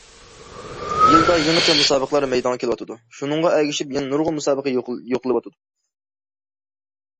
يىلدا يېڭىچە مۇسابىقىلەر مەيدانغا كېلىۋاتىدۇ، شۇنىڭغا ئەگىشىپ يەنە نۇرغۇن مۇسابىقە يوقىلىۋاتىدۇ.